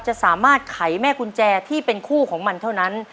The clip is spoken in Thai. จะสามารถไขแม่กุญแจที่เป็นคู่ของมันเท่านั้น